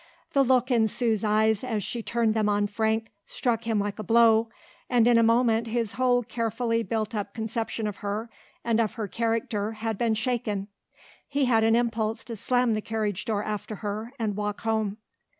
The look in Sue's eyes as she turned them on Frank struck him like a blow and in a moment his whole carefully built up conception of her and of her character had been shaken. He had an impulse to slam the carriage door after her and walk home.